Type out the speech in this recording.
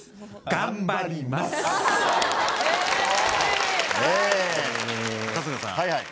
頑張ります春日さん